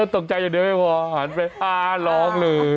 ตกใจอย่างเดียวไม่พอหันไปอ้าร้องเลย